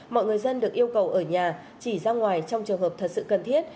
mọi người dân được yêu cầu ở nhà chỉ ra ngoài trong trường hợp thật sự cần thiết